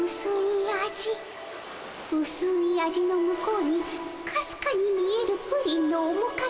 うすい味の向こうにかすかに見えるプリンのおもかげ。